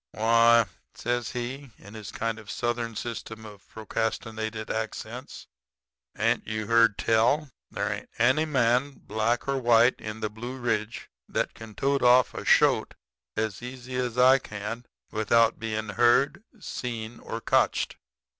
"'Why,' says he, in his kind of Southern system of procrastinated accents, 'hain't you heard tell? There ain't any man, black or white, in the Blue Ridge that can tote off a shoat as easy as I can without bein' heard, seen, or cotched.